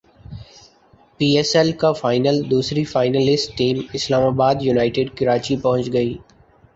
پی S L کا final دوسری finalist team اسلام باد یونائیٹڈ کراچی پہنچ گئی